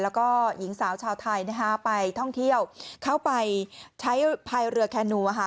แล้วก็หญิงสาวชาวไทยไปท่องเที่ยวเข้าไปใช้พายเรือแคนู